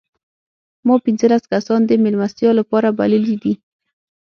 ما پنځلس کسان د مېلمستیا لپاره بللي دي.